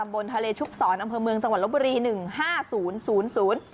บนทะเลชุบศรอำเภอเมืองจังหวัดลบบุรีหนึ่งห้าศูนย์ศูนย์ศูนย์ศูนย์